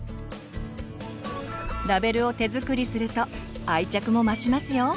ラベルを手作りすると愛着も増しますよ。